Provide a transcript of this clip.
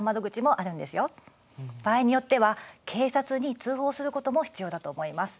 場合によっては警察に通報することも必要だと思います。